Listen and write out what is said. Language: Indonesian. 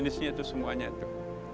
ada jenisnya itu semuanya itu